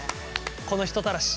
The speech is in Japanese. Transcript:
この人たらし。